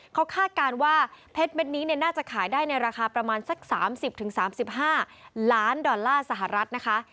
เขาคาดการณ์ว่าเพชรเม็ดนี้น่าจะขายได้ในราคาประมาณสัก๓๐๓๕ล้านดอลลาร์สหรัฐนะคะ